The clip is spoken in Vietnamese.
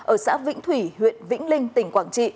ở xã vĩnh thủy huyện vĩnh linh tỉnh quảng trị